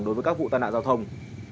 đối với các vụ tai nạn giao thông